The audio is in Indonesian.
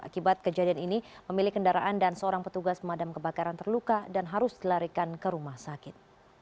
akibat kejadian ini pemilik kendaraan dan seorang petugas pemadam kebakaran terluka dan harus dilarikan ke rumah sakit